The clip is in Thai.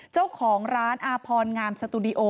เจ้าของร้านอาพรงามสตูดิโอ